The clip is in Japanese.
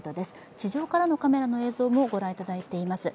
地上からのカメラの映像をご覧いただいています。